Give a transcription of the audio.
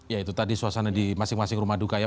ya itu tadi suasana di masing masing rumah duka ya